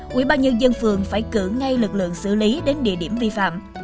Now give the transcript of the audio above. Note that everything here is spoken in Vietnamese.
quỹ ba nhân dân phường phải cử ngay lực lượng xử lý đến địa điểm vi phạm